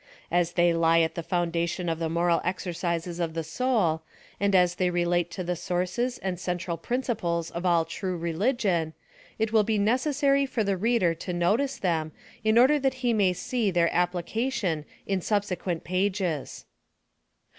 As they lie at the foundation of the moral exercises of the soul, and as they relate to the sources and central principles of all true religion, it will be necessary for the reader to notice them, in order that he may see their appli cation m subsequent pages.